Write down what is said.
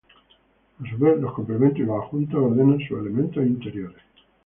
A su vez, los complementos y los adjuntos ordenan sus elementos interiores.